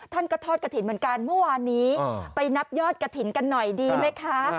ท่านก็ทอดกระถิ่นเหมือนกันเมื่อวานนี้ไปนับยอดกระถิ่นกันหน่อยดีไหมคะ